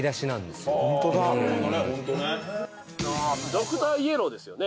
ドクタ―イエロ―ですよね？